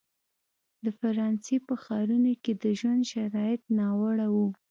د فرانسې په ښارونو کې د ژوند شرایط ناوړه وو.